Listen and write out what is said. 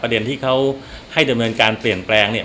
ที่เขาให้ดำเนินการเปลี่ยนแปลงเนี่ย